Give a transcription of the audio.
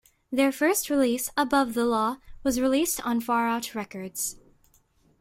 Their first release "Above The Law" was released on Far Out Records.